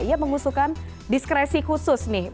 ia mengusulkan diskresi khusus nih